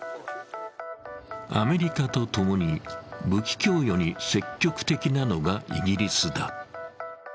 アメリカと共に武器供与に積極的なのがイギリスだ。